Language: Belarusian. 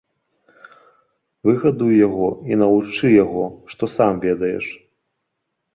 Выгадуй яго і навучы яго, што сам ведаеш.